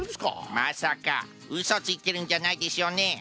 まさかうそついてるんじゃないでしょうね。